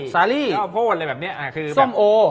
สาลี่ส้มโอ